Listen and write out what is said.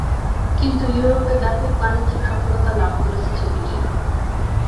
কিন্তু ইউরোপে ব্যাপক বাণিজ্যিক সফলতা লাভ করেছে ছবিটি।